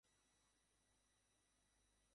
আমি ঠিক আছি, কমান্ডার।